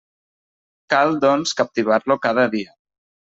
Cal, doncs, captivar-lo cada dia.